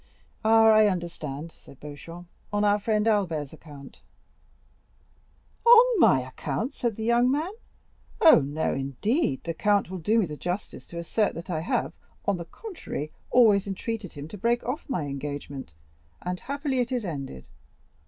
"Ah, I understand," said Beauchamp, "on our friend Albert's account." "On my account?" said the young man; "oh, no, indeed, the count will do me the justice to assert that I have, on the contrary, always entreated him to break off my engagement, and happily it is ended.